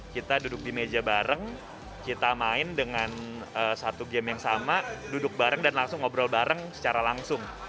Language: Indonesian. kita duduk di meja bareng kita main dengan satu game yang sama duduk bareng dan langsung ngobrol bareng secara langsung